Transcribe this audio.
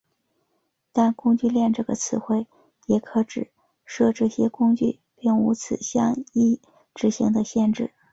但工具链这个词汇也可指涉这些工具并无此相依执行的限制。